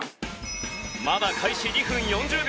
まだ開始２分４０秒。